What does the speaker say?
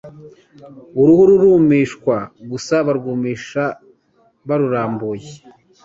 uruhu rurumishwa, gusa barwumisha barurambuye